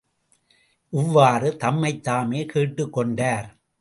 இவ்வாறு தம்மைத்தாமே கேட்டுக்கொண்டார்.